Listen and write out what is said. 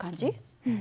うん。